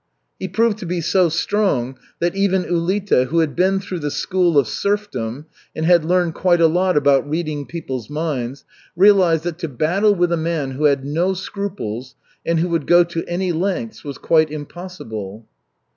He proved to be so strong that eyen Ulita, who had been through the school of serfdom and had learned quite a lot about reading people's minds, realized that to battle with a man who had no scruples and who would go to any lengths was quite impossible.